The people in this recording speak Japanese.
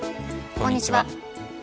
こんにちは。